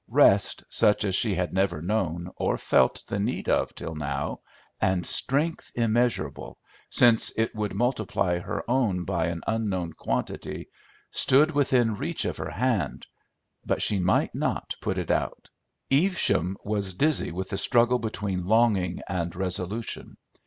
Rest, such as she had never known or felt the need of till now, and strength immeasurable, since it would multiply her own by an unknown quantity, stood within reach of her hand, but she might not put it out. Evesham was dizzy with the struggle between longing and resolution.